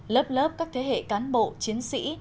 lớp lớp các thế hệ cán bộ chiến sĩ